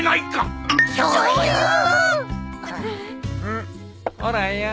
うんほらよ。